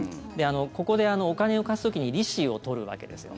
ここで、お金を貸す時に利子を取るわけですよ。